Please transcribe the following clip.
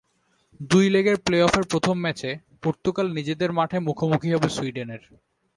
দুই লেগের প্লে-অফের প্রথম ম্যাচে পর্তুগাল নিজেদের মাঠে মুখোমুখি হবে সুইডেনের।